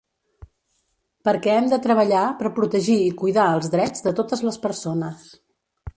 Perquè hem de treballar per protegir i cuidar els drets de totes les persones.